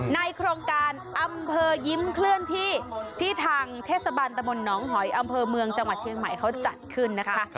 ในโครงการอำเภอยิ้มเคลื่อนที่ที่ทางเทศบาลตะมนต์น้องหอยอำเภอเมืองจังหวัดเชียงใหม่เขาจัดขึ้นนะคะ